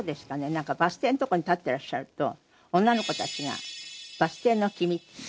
なんかバス停のとこに立ってらっしゃると女の子たちがバス停の君ってあなたを呼んだって。